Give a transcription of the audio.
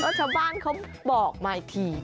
ชาวบ้านเขาบอกมาอีกที